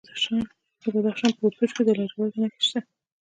د بدخشان په وردوج کې د لاجوردو نښې شته.